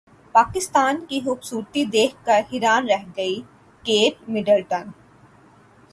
پاکستان کی خوبصورتی دیکھ کر حیران رہ گئی کیٹ مڈلٹن